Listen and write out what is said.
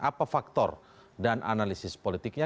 apa faktor dan analisis politiknya